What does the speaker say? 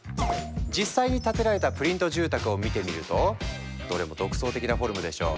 実際に建てられたプリント住宅を見てみるとどれも独創的なフォルムでしょ！